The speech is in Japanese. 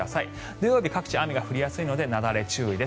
土曜日、各地雨が降りやすいので雪崩、注意です。